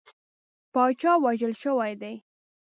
پاچا وژل شوی دی.